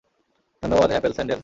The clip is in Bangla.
ধন্যবাদ, অ্যাপেল স্যান্ডেল।